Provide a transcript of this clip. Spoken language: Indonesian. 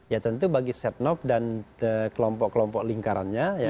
ya tentu bagi set nop dan kelompok kelompok lingkarannya